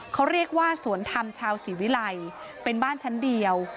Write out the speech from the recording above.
เขาเรียกว่าสวนธรรมชาวศรีวิลัยเป็นบ้านชั้นเดียว